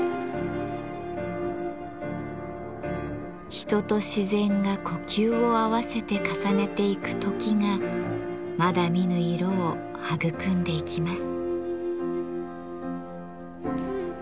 人と自然が呼吸を合わせて重ねていく「時」がまだ見ぬ色を育んでいきます。